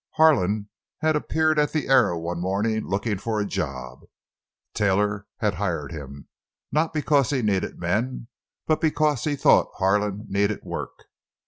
Harlan had appeared at the Arrow one morning, looking for a job. Taylor had hired him, not because he needed men, but because he thought Harlan needed work.